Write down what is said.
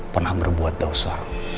pernah berbuat dosa